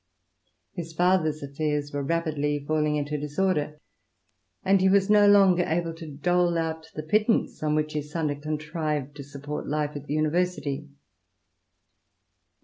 His father's affairs were rapidly falling into disorder, and he was no longer able to viii . INTRODUCTION. dole out the pittance on which his son had contrived to support life at the University.